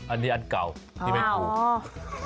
อันนี้อันเก่าที่ไม่ถูก